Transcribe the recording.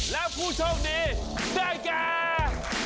แล้วผู้โชคดีได้ก่อน